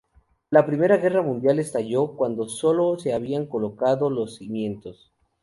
La Primera Guerra Mundial estalló cuando solo se habían colocado los cimientos.